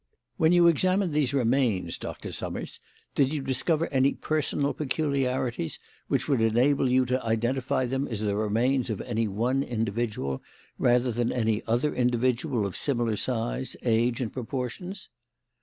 "When you examined these remains, Doctor Summers, did you discover any personal peculiarities which would enable you to identify them as the remains of any one individual rather than any other individual of similar size, age, and proportions?"